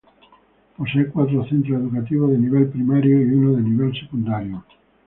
Posee cuatro centros educativos de nivel primario y uno de nivel secundario.